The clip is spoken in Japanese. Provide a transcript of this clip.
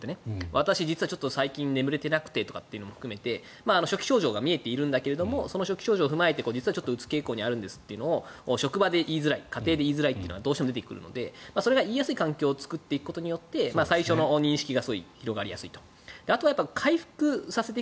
私、実は最近眠れてなくてというのも含めて初期症状が見えているんだけどその初期症状を踏まえて実は、うつ傾向にあるんですと職場で言いづらい家庭で言いづらいってのがどうしても出てくるのでそれを言いやすい環境を作っていくことによって最初の認識がしやすいと。